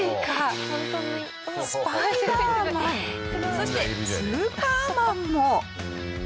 そしてスーパーマンも！